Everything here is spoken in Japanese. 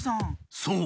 そう。